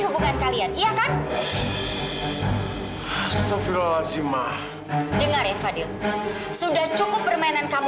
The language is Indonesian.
hubungan kalian iya kan sofrozimah dengar ya fadil sudah cukup permainan kamu